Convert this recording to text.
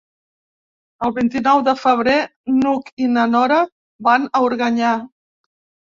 El vint-i-nou de febrer n'Hug i na Nora van a Organyà.